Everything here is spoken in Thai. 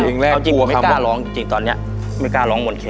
เอาจริงไม่กล้าร้องจริงตอนนี้ไม่กล้าร้องหมดเคียง